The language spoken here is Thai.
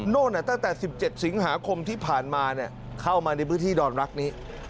โน่นน่ะตั้งแต่สิบเจ็ดสิงหาคมที่ผ่านมาเนี่ยเข้ามาในพื้นที่ลองรักนี้